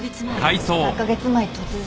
３カ月前突然。